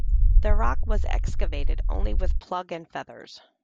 The rock was excavated only with plug and feathers.